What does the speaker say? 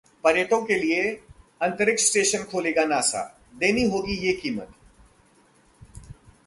पर्यटकों के लिए अंतरिक्ष स्टेशन खोलेगा नासा, देनी होगी ये कीमत